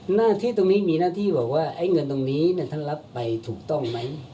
หน้าที่ตรงนี้มีหน้าที่บอกว่าไอ้เงินตรงนี้ท่านรับไปถูกต้องไหม